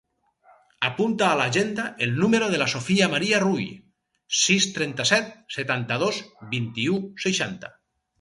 Apunta a l'agenda el número de la Sofia maria Rull: sis, trenta-set, setanta-dos, vint-i-u, seixanta.